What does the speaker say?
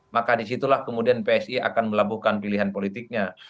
maka disitulah kemudian psi akan melabuhkan pilihan politiknya